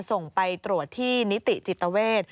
ส่งไปตรวจที่นิติจิตเวท